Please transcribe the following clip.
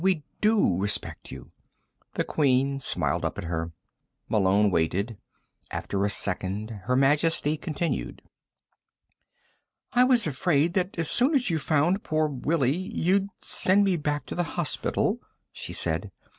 "We do respect you." The Queen smiled up at her. Malone waited. After a second Her Majesty continued. "I was afraid that as soon as you found poor Willie you'd send me back to the hospital," she said.